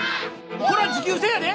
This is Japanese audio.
こら持久戦やで！